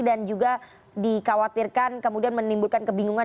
dan juga dikhawatirkan kemudian menimbulkan kebingungan